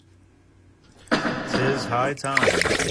'Tis high time